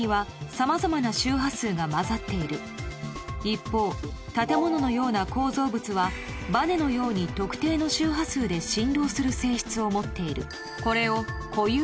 一方建物のような構造物はバネのように特定の周波数で振動する性質を持っているこれを固有